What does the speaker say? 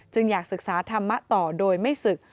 อยากศึกษาธรรมะต่อโดยไม่ศึก